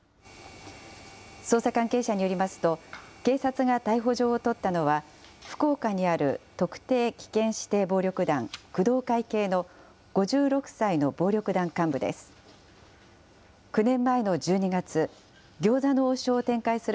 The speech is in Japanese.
捜査関係者によりますと、警察が逮捕状を取ったのは、福岡にある特定危険指定暴力団工藤会系の５６歳の暴力団幹部です。